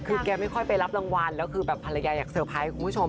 คือแกไม่ค่อยไปรับรางวัลแล้วคือแบบภรรยาอยากเซอร์ไพรส์คุณผู้ชม